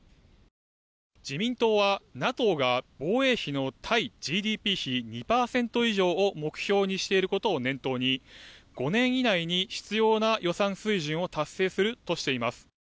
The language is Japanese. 自民党はＮＡＴＯが防衛費の対ＧＤＰ比２％以上を目標にしていることを念頭に５年以内に必要な予算水準を達成するとしています。